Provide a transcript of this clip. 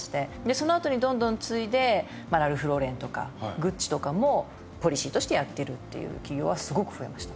そのあとにどんどん続いてラルフローレンとかグッチとかもポリシーとしてやってるっていう企業はすごく増えました。